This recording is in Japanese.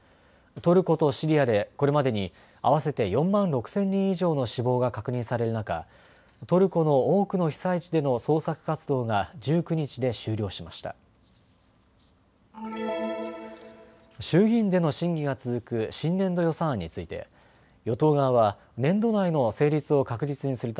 トルコとシリアでこれまでに合わせて４万６０００人以上の死亡が確認される中、トルコの多くの被災地での捜索活動が１９日で終了しました。